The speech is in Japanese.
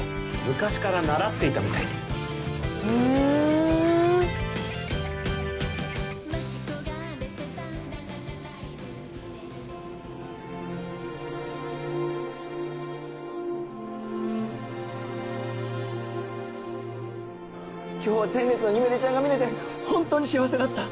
昔から習っていたみたいでふん今日は前列のゆめ莉ちゃんが見れて本当に幸せだった！